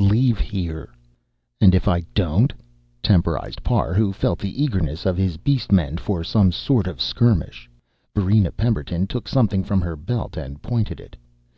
Leave here." "And if I don't?" temporized Parr, who felt the eagerness of his beast men for some sort of a skirmish. Varina Pemberton took something from her belt and pointed it.